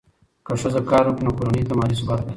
که ښځه کار وکړي، نو کورنۍ ته مالي ثبات راځي.